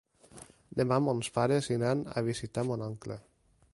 Demà mons pares iran a visitar mon oncle.